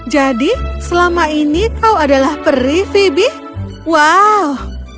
jadi selama ini kau adalah peri phoebe wow